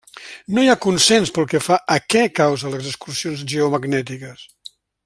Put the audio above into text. No hi ha consens pel que fa a què causa les excursions geomagnètiques.